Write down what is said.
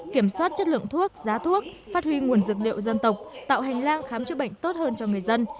kiểm soát chất lượng thuốc giá thuốc phát huy nguồn dược liệu dân tộc tạo hành lang khám chữa bệnh tốt hơn cho người dân